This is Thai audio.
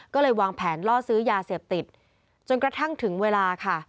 ก็เลยวางแผนล่อซื้อยาเสพติดจนกระทั่งถึงเวลาค่ะ